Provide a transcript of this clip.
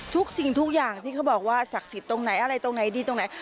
ทุกสิ่งทุกอย่างที่เขาบอกว่าศักดิ์สิทธิ์ตรงไหนอะไรตรงไหนดีตรงไหน